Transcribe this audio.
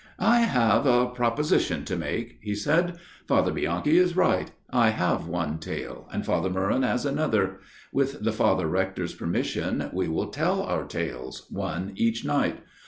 " I have a proposition to make," he said. " Father Bianchi is right. I have one tale, and Father Meuron has another. With the Father Rector's permission we will tell our tales, one each night.